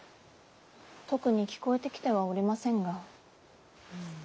特に聞こえてきてはおりませぬが。